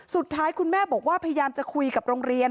สุดท้ายคุณแม่บอกว่าพยายามจะคุยกับโรงเรียน